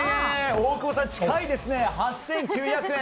大久保さん近いですね８９００円。